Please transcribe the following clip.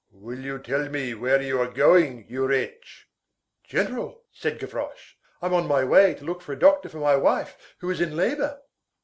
"Will you tell me where you are going, you wretch?" "General," said Gavroche "I'm on my way to look for a doctor for my wife who is in labor."